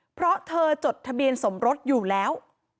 เพราะเธอจดทะเบียนสมรสอยู่แล้ว